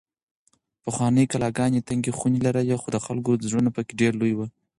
پخوانۍ کلاګانې تنګې خونې لرلې خو د خلکو زړونه پکې ډېر لوی وو.